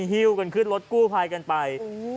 ฮิ้วกันขึ้นรถกู้ภัยกันไป